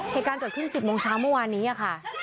เหตุการณ์เกิดขึ้น๑๐โมงเช้าเมื่อวานนี้ค่ะ